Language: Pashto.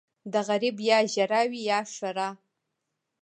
ـ د غريب يا ژړا وي يا ښېرا.